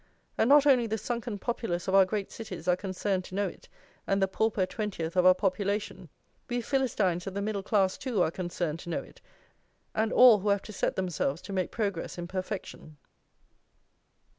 And not only the sunken populace of our great cities are concerned to know it, and the pauper twentieth of our population; we Philistines of the middle class, too, are concerned to know it, and all who have to set themselves to make progress in perfection.